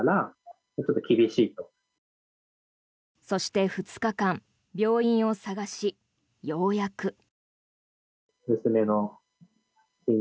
そして２日間病院を探しようやく。